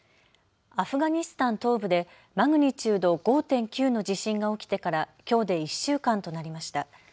アフガニスタン東部でマグニチュード５．９の地震が起きてからきょうで１週間となりました。